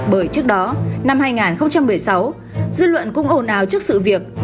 bởi trước đó năm hai nghìn một mươi sáu dư luận cũng ồn ào trước sự việc